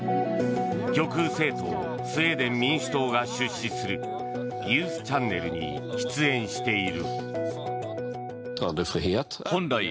極右政党スウェーデン民主党が出資するニュースチャンネルに出演している。